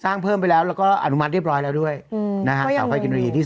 ยังไม่จบเนอะลูกสาวไฟกินาลี